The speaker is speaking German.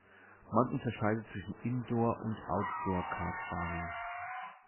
Man unterscheidet zwischen Indoor- und Outdoor-Kartbahnen.